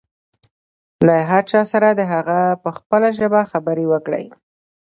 له هر چا سره د هغه په خپله ژبه خبرې وکړئ.